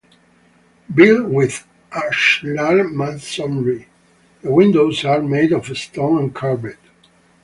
Built with ashlar masonry, the windows are made of stone and carved.